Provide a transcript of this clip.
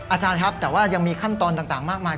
อาจารย์ครับแต่ว่ายังมีขั้นตอนต่างมากมาย